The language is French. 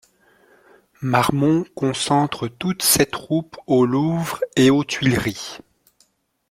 Marmont concentre toutes ses troupes au Louvre et aux Tuileries.